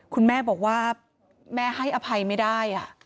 คุณแม่บอกว่าแม่ให้อภัยไม่ได้